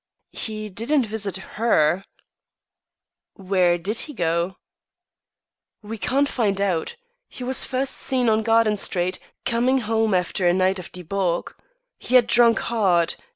"He didn't visit her" "Where did he go?" "We can't find out. He was first seen on Garden Street, coming home after a night of debauch. He had drunk hard.